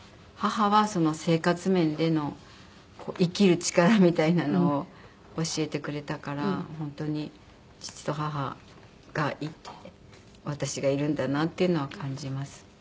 母は生活面での生きる力みたいなのを教えてくれたから本当に父と母がいて私がいるんだなっていうのは感じます。